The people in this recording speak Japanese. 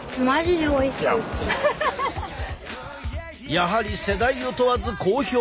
やはり世代を問わず好評！